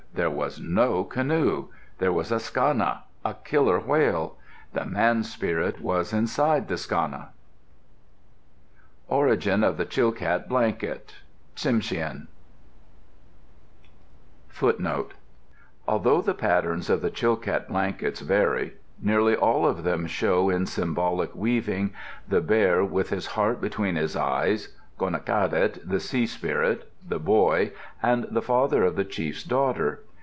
there was no canoe. There was a Skana a killer whale. The man spirit was inside the Skana. ORIGIN OF THE CHILKAT BLANKET Tsimshian Although the patterns of the Chilkat blankets vary, nearly all of them show, in symbolic weaving, the bear with his heart between his eyes, Gonaqadet the sea spirit, the boy, and the father of the chief's daughter.